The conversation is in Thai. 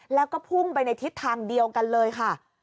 แล้วก็พุ่งไปในทิศทางเดียวกันเลยค่ะ